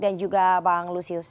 dan juga bang lusius